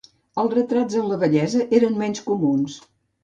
Els retrats en la vellesa eren menys comuns.